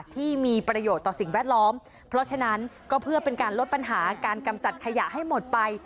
ที่มีประโยชน์ต่อสิ่งแวดล้อมเพราะฉะนั้นก็เพื่อเป็นการลดปัญหาการกำจัดขยะให้หมดไป